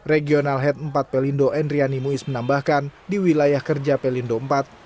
regional head empat pelindo endriani muiz menambahkan di wilayah kerja pelindo iv